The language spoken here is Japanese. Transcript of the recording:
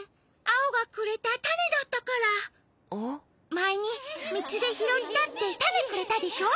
まえにみちでひろったってたねくれたでしょ？